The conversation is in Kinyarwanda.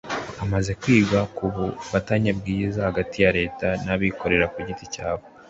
hamaze kwigwa ku bufatanye bwiza hagati ya leta n'abikorera ku giti cyabo